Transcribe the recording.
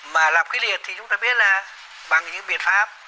mà làm quyết liệt thì chúng ta biết là bằng những biện pháp